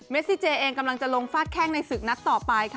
ซิเจเองกำลังจะลงฟาดแข้งในศึกนัดต่อไปค่ะ